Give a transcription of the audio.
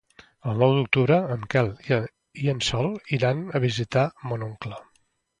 El nou d'octubre en Quel i en Sol iran a visitar mon oncle.